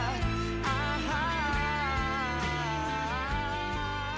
gue jadi penjahat